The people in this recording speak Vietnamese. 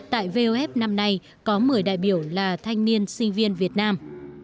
tại vof năm nay có một mươi đại biểu là thanh niên sinh viên việt nam